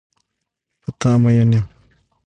په تا مین یم.